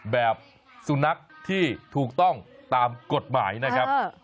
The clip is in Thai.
แบบสุนัขที่ถูกต้องตามกฎหมายนะครับ